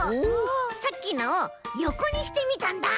さっきのをよこにしてみたんだ！